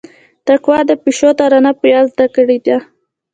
تقوا د پيشو ترانه په ياد زده کړيده.